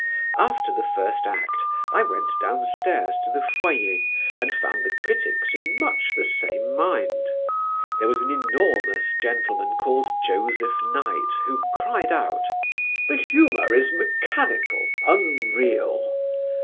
After the first act I went downstairs to the foyer and found the critics in much the same mind. There was an enormous gentleman called Joseph Knight, who cried out: "The humour is mechanical, unreal."